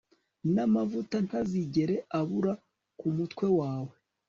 n'amavuta ntazigere abura ku mutwe wawe